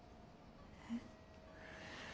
えっ。